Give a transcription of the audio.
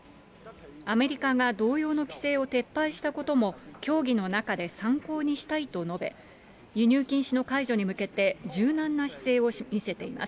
アメリカが同様の規制を撤廃したことも、協議の中で参考にしたいと述べ、輸入禁止の解除に向けて、柔軟な姿勢を見せています。